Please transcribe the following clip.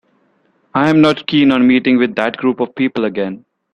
I am not keen on meeting with that group of people again.